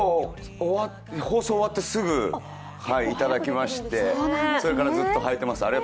放送終わってすぐ頂きましてそれからずっと履いています。